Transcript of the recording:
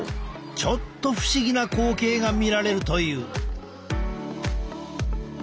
ちょっと不思議な光景が見られるという。